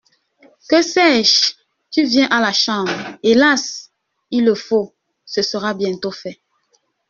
Que sais-je ! Tu viens à la Chambre ? Hélas ! Il le faut ! Ce sera bientôt fait.